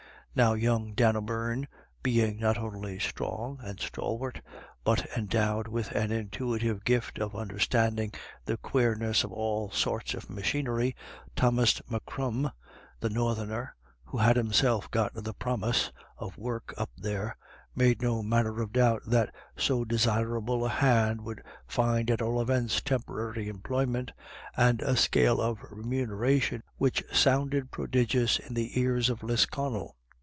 Now young Dan O'Beirne being not only strong and stalwart, but endowed with an intuitive gift for understanding the " quareness " of all sorts of machinery, Thomas M'Crum, the northerner, who had himself got the promise of work up there, made no manner of doubt that so desirable a hand would find at all events temporary employment, and a scale of remuneration which sounded pro digious in the ears of Lisconnel.